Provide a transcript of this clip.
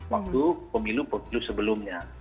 waktu pemilu pemilu sebelumnya